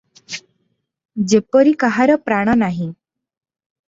ଯେପରି କାହାର ପ୍ରାଣ ନାହିଁ ।